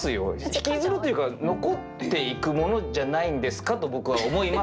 引きずるというか残っていくものじゃないんですかと僕は思いますが。